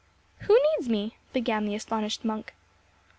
"Who needs me?" began the astonished monk.